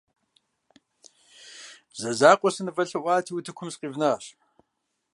Зэ закъуэ сынывэлъэӀуати, утыкум сыкъивнащ.